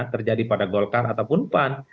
terjadi pada golkar ataupun pan